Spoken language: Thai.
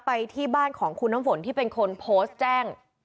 ไปที่บ้านของคุณน้ำฝนที่เป็นคนโพสต์แจ้ง